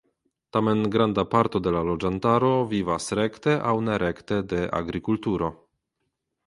Tamen granda parto de la loĝantaro vivas rekte aŭ nerekte de agrikulturo.